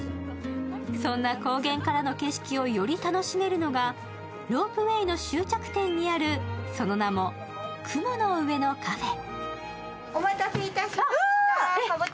そんな高原からの景色をより楽しめるのがロープウエーの終着点にあるその名も雲の上のカフェ。